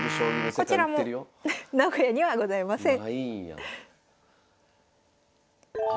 こちら名古屋にはございません。